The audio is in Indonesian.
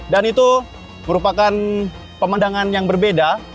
dan itu merupakan pemandangan yang berbeda